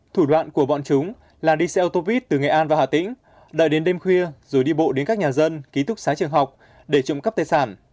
thủ đoạn của bọn chúng là đi xe ô tô buýt từ nghệ an và hà tĩnh đợi đến đêm khuya rồi đi bộ đến các nhà dân ký túc xá trường học để trộm cắp tài sản